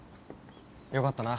よかったな。